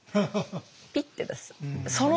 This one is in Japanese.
ピッて出す。